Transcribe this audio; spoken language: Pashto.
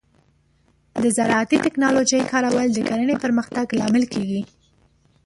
د زراعتي ټیکنالوجۍ کارول د کرنې پرمختګ لامل کیږي.